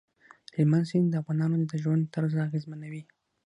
هلمند سیند د افغانانو د ژوند طرز اغېزمنوي.